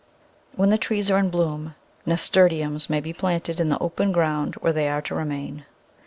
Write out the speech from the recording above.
When the trees are in bloom Nasturtiums may be planted in the open ground where they are to remain.